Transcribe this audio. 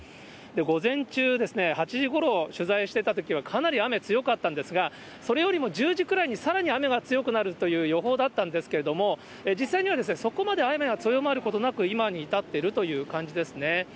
午前中、８時ごろ取材してたときはかなり雨、強かったんですが、それよりも１０時くらいにさらに雨が強くなるという予報だったんですけれども、実際にはそこまで雨が強まることなく、今に至っているという感じですね。